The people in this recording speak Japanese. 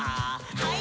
はい。